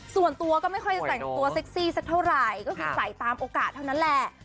ส่วนตัวก็ไม่ค่อยจะแต่งตัวเซ็กซี่สักเท่าไหร่ก็คือใส่ตามโอกาสเท่านั้นแหละ